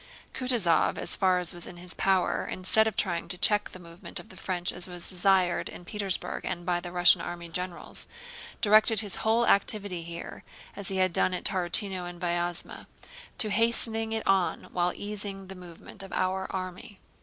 Kutúzov as far as was in his power, instead of trying to check the movement of the French as was desired in Petersburg and by the Russian army generals, directed his whole activity here, as he had done at Tarútino and Vyázma, to hastening it on while easing the movement of our army.